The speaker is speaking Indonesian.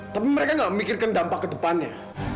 tapi mereka gak memikirkan dampak ketepannya